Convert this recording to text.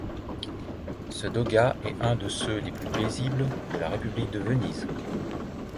Ce dogat est un de ceux les plus paisible de la république de Venise.